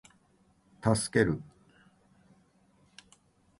助ける